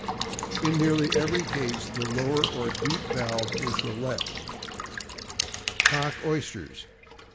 In nearly every case the lower or deep valve is the left. =Cock Oysters.